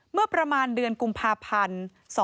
เมื่อประมาณเดือนกุมภาพันธ์